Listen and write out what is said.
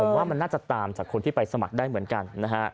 ผมว่ามันน่าจะตามจากคนที่ไปสมัครได้เหมือนกันนะฮะ